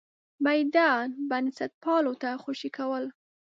میدان بنسټپالو ته خوشې کول.